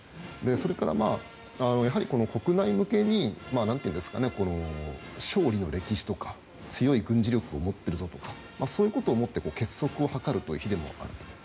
それから国内向けに勝利の歴史とか強い軍事力を持っているぞとかそういうことをもって結束を図るという日でもある。